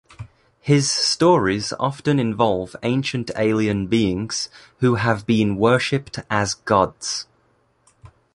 His stories often involve ancient alien beings who have been worshipped as gods.